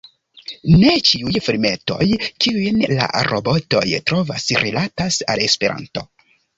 Ne ĉiuj filmetoj, kiujn la robotoj trovas, rilatas al Esperanto.